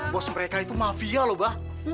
bos mereka itu mafia loh ba